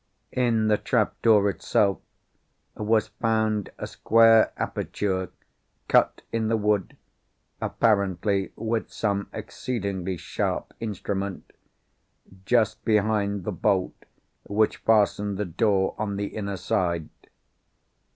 In the trap door itself was found a square aperture cut in the wood, apparently with some exceedingly sharp instrument, just behind the bolt which fastened the door on the inner side.